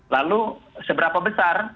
lalu seberapa besar